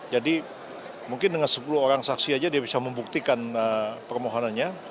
jadi mungkin dengan sepuluh orang saksi saja dia bisa membuktikan permohonannya